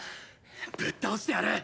ぶっ倒してやる！